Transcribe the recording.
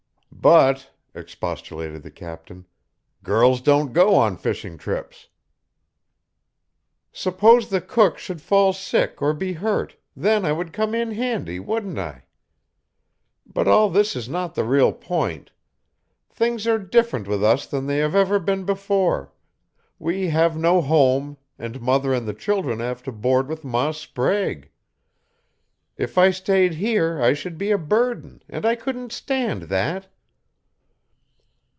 "But," expostulated the captain, "girls don't go on fishing trips." "Suppose the cook should fall sick or be hurt, then I would come in handy, wouldn't I? But all this is not the real point. Things are different with us than they have ever been before; we have no home, and mother and the children have to board with Ma Sprague. If I stayed here I should be a burden, and I couldn't stand that."